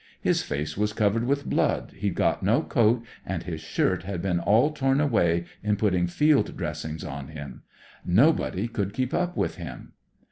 His face was covered with blood, he'd got no coat, and his shirt had been all torn away in putting field dressings on him. Nobody could keep up with him.